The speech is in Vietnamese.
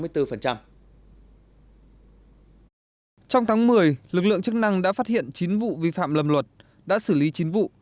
trong tháng một mươi lực lượng chức năng đã phát hiện chín vụ vi phạm lầm luật đã xử lý chín vụ